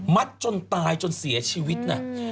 จนตายจนเสียชีวิตนะ